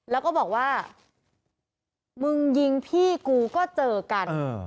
แล้วก็บอกว่ามึงยิงพี่กูก็เจอกัน